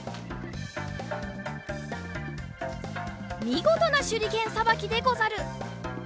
みごとなしゅりけんさばきでござる！